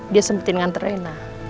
dia sempetin dengan terena